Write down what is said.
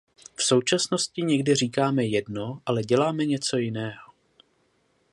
V současnosti někdy říkáme jedno, ale děláme něco jiného.